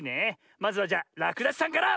まずはじゃらくだしさんから！